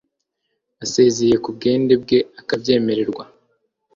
Asezeye ku bwende bwe akabyemererwa